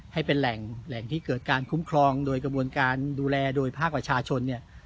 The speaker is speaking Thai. ให้เป็นแหล่งที่เกิดการคุ้มครองโดยกระบวนการดูแลโดยภาคประชาชนเนี่ย